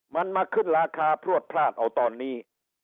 มันมาขึ้นราคาพลวดพลาดเอาตอนนี้